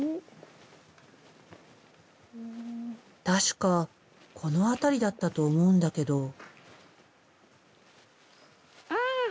確かこの辺りだったと思うんだけど。